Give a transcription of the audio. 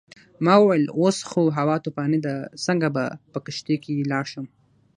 ما وویل اوس خو هوا طوفاني ده څنګه به په کښتۍ کې لاړ شم.